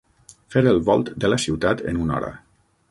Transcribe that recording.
Fer el volt de la ciutat en una hora.